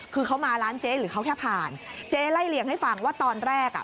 คือเขามาร้านเจ๊หรือเขาแค่ผ่านเจ๊ไล่เลี่ยงให้ฟังว่าตอนแรกอ่ะ